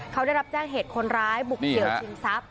เขาได้รับแจ้งเหตุคนร้ายบุกเดี่ยวชิงทรัพย